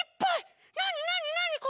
なになになにこれ？